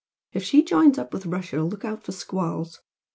If she joins up with Russia look out for squalls.